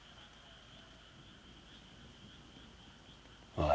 おい。